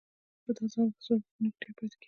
خو دا ځل به په څو هېوادونو کې ډېر پاتې کېږم.